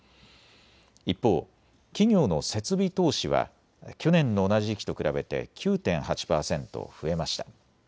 一方、企業の設備投資は去年の同じ時期と比べて９．８％増えました。